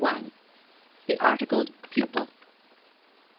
THE ARTICLED PUPIL.